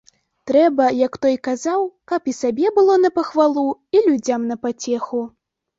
Трэба, як той казаў, каб і сабе было на пахвалу, і людзям на пацеху.